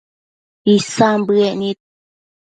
Isan bëec nid